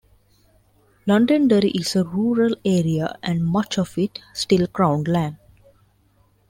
Londonderry is a rural area and much of it still crown land.